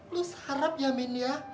lu seharap ya min ya